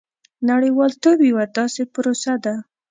• نړیوالتوب یوه داسې پروسه ده.